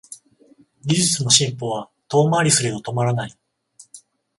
技術の進歩は遠回りはすれど止まらない